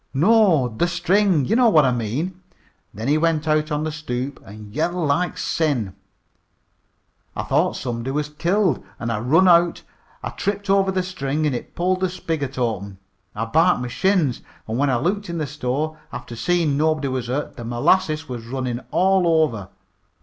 "No, the string. Ye know what I mean. Then he went out on the stoop an' yelled like sin. I thought somebody was killed an' I run out. I tripped over the string an' it pulled the spigot open. I barked my shins, an' when I looked in the store, after seein' nobody was hurt, the molasses was runnin' all over.